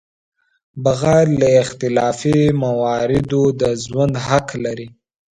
بغیر له اختلافي مواردو د ژوند حق لري.